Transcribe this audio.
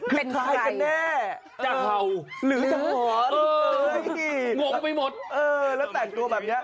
เป็นใครกันเนี่ย